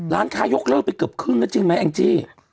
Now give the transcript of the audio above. ร้านค้ายกเลิกไปกับครึ่งซะจริงมั้ยไอ้อังจรี่